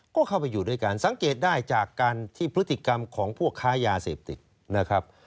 ก็เข้าไปอยู่ด้วยกันสังเกตได้จากการที่พฤติกรรมของพวกค้ายาเสพติดนะครับ